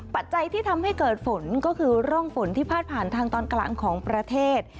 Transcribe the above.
ปัจจัยที่ทำให้เกิดฝนก็คือร่องฝนที่พาดผ่านทางตอนกลางของประเทศ